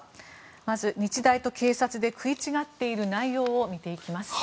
まず、日大と警察で食い違っている内容を見ていきます。